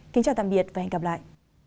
kính chào tạm biệt và hẹn gặp lại